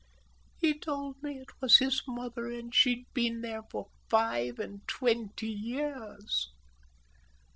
"He told me it was his mother, and she'd been there for five and twenty years."